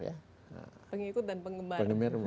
pengikut dan penggemar